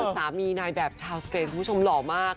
สามีนายแบบชาวสเปนคุณผู้ชมหล่อมาก